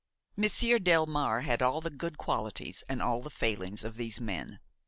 Monsieur Delmare had all the good qualities and all the failings of these men.